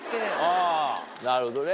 あなるほどね。